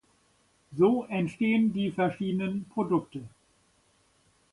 So entstehen die verschiedenen Produkte.